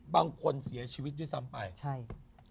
บางคนเสียชีวิตด้วยซ้ำไปใช่